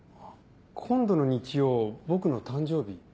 今度の日曜僕の誕生日。